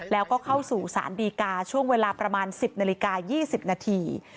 แล้วก็เข้าสู่สารดีกาช่วงเวลาประมาณ๑๐นาฬิกา๒๐นาที